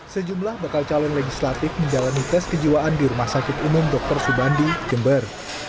sejumlah bakal calon legislatif menjalani tes kejiwaan di rumah sakit umum dr subandi jember